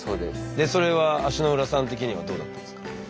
でそれは足の裏さん的にはどうだったんですか？